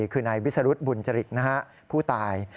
คือในวิสรุธบุญจริกษ์นะครับผู้ตาย